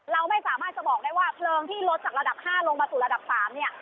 เราไม่สามารถจะบอกได้ว่าเพลิงที่ลดจากระดับ๕ลงมาสู่ระดับ๓เนี่ย